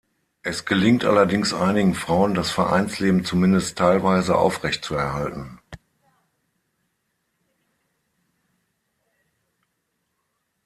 Es gelingt allerdings einigen Frauen, das Vereinsleben zumindest teilweise aufrechtzuerhalten.